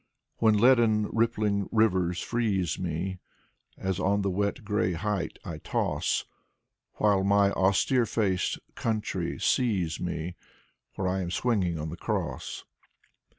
When leaden rippHng rivers freeze me, As on the wet gray height I toss. While my austere faced country sees me Where I am swinging on the cross.